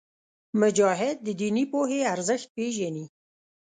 مجاهد د دیني پوهې ارزښت پېژني.